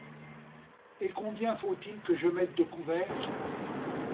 Et combien faut-il que je mette de couverts?